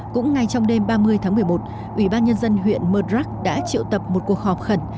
cũng ngay trong đêm ba mươi tháng một mươi một ủy ban nhân dân huyện mờ rắc đã triệu tập một cuộc họp khẩn